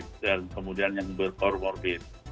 dan kemudian yang berkorporat